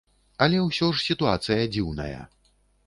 Але ўсё ж сітуацыя дзіўная.